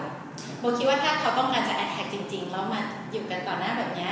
ผมคิดถ้าเขากลัวมาอยู่กันตอนหน้าแบบนี้